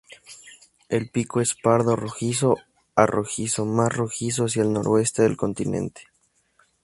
El pico es pardo rojizo a rojizo, más rojizo hacia el noreste del continente.